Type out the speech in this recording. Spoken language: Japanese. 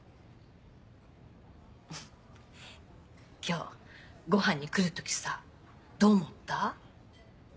今日ごはんに来る時さどう思った？